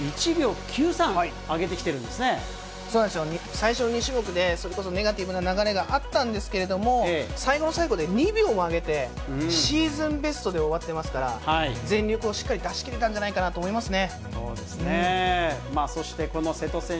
最初２種目で、それこそネガティブな流れがあったんですけれども、最後の最後で２秒も上げて、シーズンベストで終わってますから、全力をしっかり出し切れたんじゃないかなと思いますね。